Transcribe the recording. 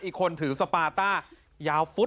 อีคนถือสปาร์ตาร์